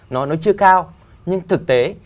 nó chưa cao nhưng thực tế